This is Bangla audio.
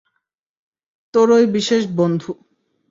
তোর ঐ বিশেষ বন্ধু।